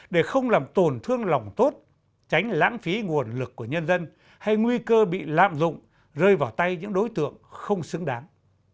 để không làm tổn thương lòng tốt tránh lãng phí nguồn lực của nhân dân hay nguy cơ bị lạm dụng rơi vào tay những đối tượng không xứng đáng